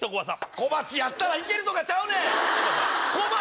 小鉢なら行けるとかちゃうねん！